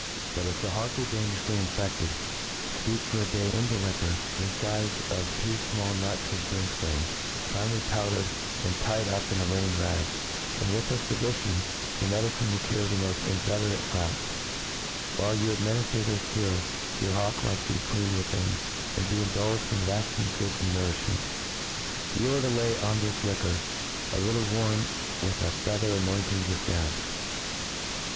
But, if the hawk be dangeroufly infeded, fteep for a day, in the liquor, the fize of two fmall nuts of brimftone, finely powdered, and tied up in a linen r^jg ; and vfiih this additioi^ the medicine will cure the moft inveterate frownce. While yoif adminifter this cure, your hawk muft be clean within, and be indulged in reft and good, nourifhment. You are to lay on this liquor a little warm, with a feather anointing the fcabs.